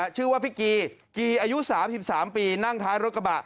ชื่อว่าพี่กีกีอายุ๓๓ปีนั่งท้ายรถกระบะ